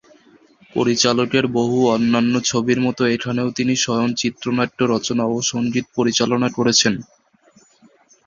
পরিচালকের বহু অন্যান্য ছবির মতো এখানেও তিনি স্বয়ং চিত্রনাট্য রচনা ও সঙ্গীত পরিচালনা করেছেন।